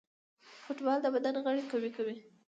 فوټبال د بدن غړي قوي کوي.